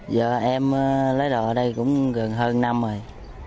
giờ em lấy đồ ở đây cũng gần hơn năm rồi